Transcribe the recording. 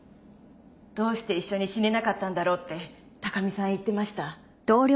どうして一緒に死ねなかったんだろうって高見さん言ってました。